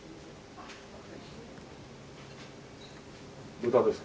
豚ですか？